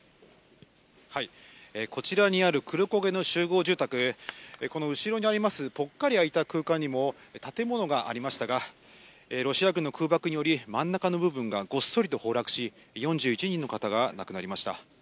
こちらにある黒焦げの集合住宅、この後ろにあります、ぽっかり空いた空間にも、建物がありましたが、ロシア軍の空爆により、真ん中の部分がごっそりと崩落し、４１人の方が亡くなりました。